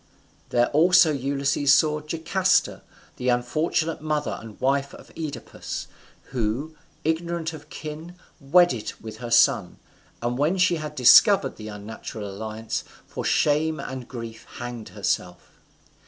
There also Ulysses saw Jocasta, the unfortunate mother and wife of Oedipus; who, ignorant of kin, wedded with her son, and when she had discovered the unnatural alliance, for shame and grief hanged herself.